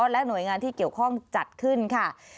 และหน่วยงานที่เกี่ยวข้องจัดขึ้นค่ะ